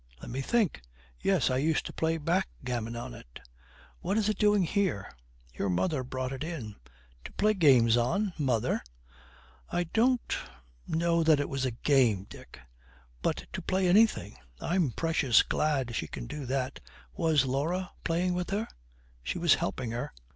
Let me think. Yes, I used to play backgammon on it. What is it doing here?' 'Your mother brought it in.' 'To play games on? Mother!' 'I don't know that it was a game, Dick.' 'But to play anything! I'm precious glad she can do that. Was Laura playing with her?' 'She was helping her.'